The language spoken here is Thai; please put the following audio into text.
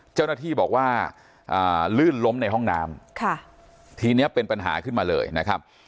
เจ้าหน้าที่บอกว่าลื่นล้มในห้องน้ำทีนี้เป็นปัญหาขึ้นมาเลยนะครับ